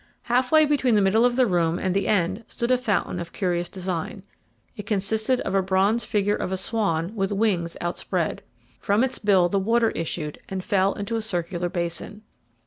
Half way between the middle of the room and the end stood a fountain of curious design. It consisted of the bronze figure of a swan with wings outspread. From its bill the water issued and fell into a circular basin.